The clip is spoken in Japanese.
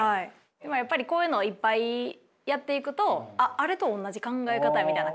でもやっぱりこういうのをいっぱいやっていくとあっあれと同じ考え方やみたいな感じで。